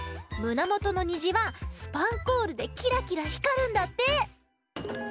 なもとのにじはスパンコールでキラキラひかるんだって。